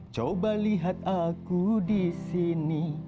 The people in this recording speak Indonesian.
coba lihat aku di sini